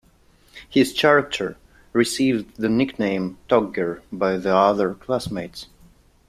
His character receives the nickname 'Togger' by the other classmates.